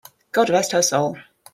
God rest her soul!